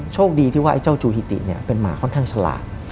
โชคดีที่ว่าไอ้เจ้าจูฮิติเป็นหมาค่อนข้างฉลาด